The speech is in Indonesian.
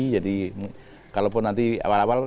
jadi kalau pun nanti awal awal